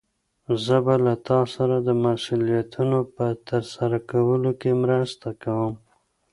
زه به له تا سره د مسؤليتونو په ترسره کولو کې مرسته کوم.